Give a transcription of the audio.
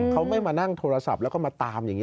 เขาไม่มานั่งโทรศัพท์แล้วก็มาตามอย่างนี้